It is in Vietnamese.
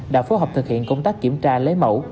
đã phối hợp thực hiện công tác kiểm tra lấy mẫu